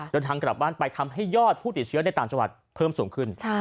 เดินทางกลับบ้านไปทำให้ยอดผู้ติดเชื้อในต่างจังหวัดเพิ่มสูงขึ้น